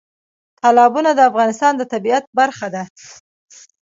تالابونه د افغانستان د طبیعت برخه ده.